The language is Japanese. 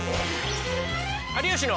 「有吉の」。